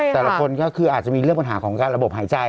แต่ละคนก็คืออาจจะมีเรื่องปัญหาของการระบบหายใจ